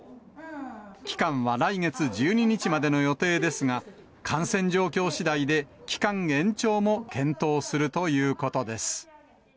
期間は来月１２日までの予定ですが、感染状況しだいで期間延長も検討するということです。